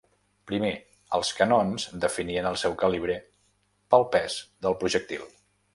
Primer, els canons definien el seu calibre pel pes del projectil.